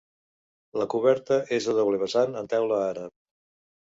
La coberta és a doble vessant en teula àrab.